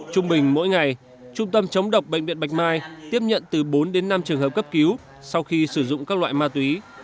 trung bình mỗi ngày trung tâm chống độc bệnh viện bạch mai tiếp nhận từ bốn đến năm trường hợp cấp cứu sau khi sử dụng các loại ma túy